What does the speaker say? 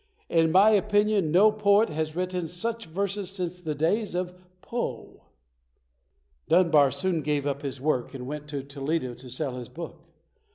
In my opinion no poet has written such verses since the days of Poe". Dunbar soon gave up his work and went to Toledo to sell his book.